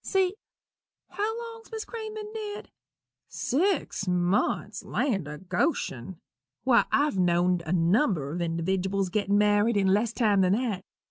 See how long's Miss Crane ben dead? Six months! land o' Goshen! why, I've know'd a number of individdiwals get married in less time than that.